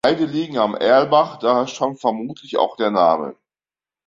Beide liegen am Erlbach, daher stammt vermutlich auch der Name.